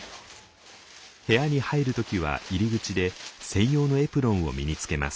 部屋に入る時は入り口で専用のエプロンを身につけます。